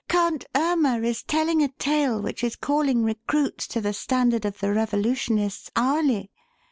Count Irma is telling a tale which is calling recruits to the standard of the revolutionists hourly.